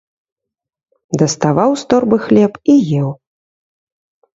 Даставаў з торбы хлеб і еў.